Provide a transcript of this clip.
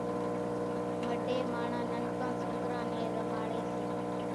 مڍين ماڻۿان ننڪان سوڪران نين زماڙي سي